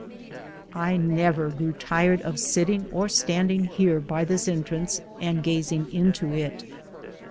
I never grew tired of sitting or standing here by this entrance and gazing into it.